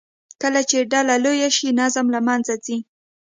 کله چې ډله لویه شي، نظم له منځه ځي.